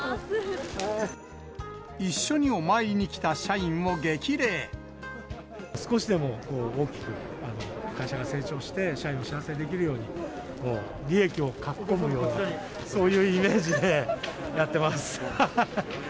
一緒にお参りに来た社員を激少しでも大きく会社が成長して、社員を幸せにできるように、もう利益をかき込むような、そういうイメージで、やってます。